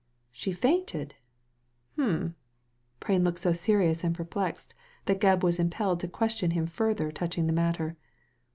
" She fainted ! Hum !" Prain looked so serious and perplexed that Gebb was impelled to question him further touching the matter.